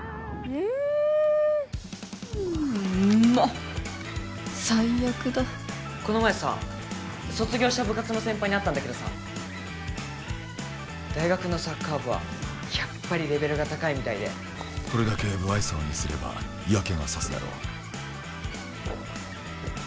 うまっ最悪だこの前さ卒業した部活の先輩に会ったんだけどさ大学のサッカー部はやっぱりレベルが高いみたいでこれだけ無愛想にすれば嫌気がさすだろう